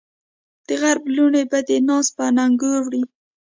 دغرب لوڼې به دې ناز په اننګو وړي